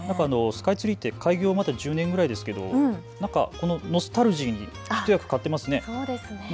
スカイツリーって開業、１０年ぐらいですけどノスタルジーに一役買ってますね。